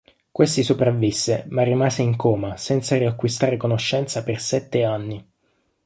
Questi sopravvisse, ma rimase in coma, senza riacquistare conoscenza per sette anni.